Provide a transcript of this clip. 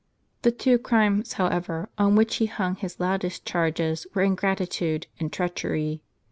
The two w C crimes, however, on which he rung his loudest changes were, ingratitude and treachery.